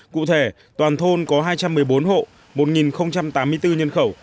cụ thể toàn thôn có hai trăm một mươi bốn hộ một tám mươi bốn nhân khẩu